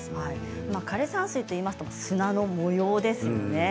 枯れ山水といえば砂の模様ですよね。